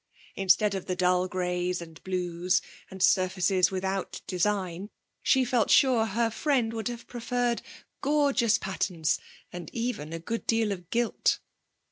Instead of the dull greys and blues, and surfaces without design, she felt sure her friend would have preferred gorgeous patterns, and even a good deal of gilt.